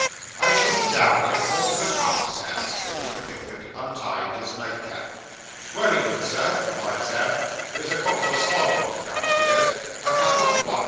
'I shall be down in a quarter of an hour, Sam,' said Mr. Pickwick, untying his nightcap. 'Wery good, sir,' replied Sam. 'There's a couple o' sawbones downstairs.' 'A couple of what!